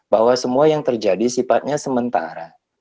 bahwa semua yang terjadi sifatnya sementara